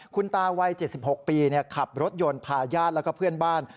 คุณตาวัย๗๖ปีขับรถยนต์พาญาติแล้วก็เพื่อนบ้าน